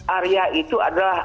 arya itu adalah